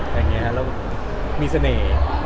แล้วมีเสน่ห์